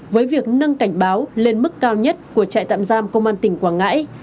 với việc nâng cảnh báo lên mức cao nhất của trại tạm giam công an tỉnh quảng ngãi